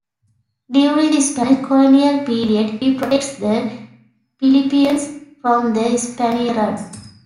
During the Spanish colonial period, he protects the Filipinos from the Spaniards.